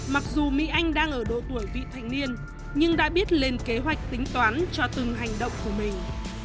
mặc dù mỹ anh đang ở độ tuổi vị thành niên nhưng đã biết lên kế hoạch tính toán cho từng hành động của mình